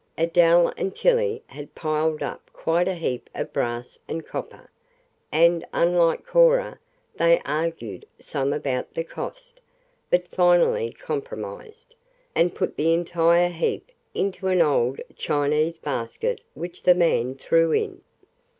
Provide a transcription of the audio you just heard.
Adele and Tillie had piled up quite a heap of brass and copper, and, unlike Cora, they argued some about the cost, but finally compromised, and put the entire heap into an old Chinese basket which the man "threw in."